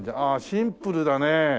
シンプルだね。